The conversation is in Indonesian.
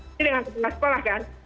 ini dengan kepala sekolah kan